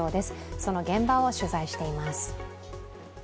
その現場を取材しています。